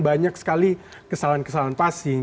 banyak sekali kesalahan kesalahan passing